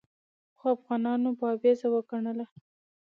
خو افغانانو بابیزه وګڼله.